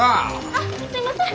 あっすいません。